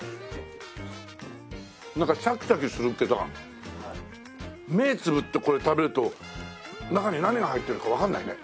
なんかシャキシャキするけど目つぶってこれ食べると中に何が入ってるかわかんないね。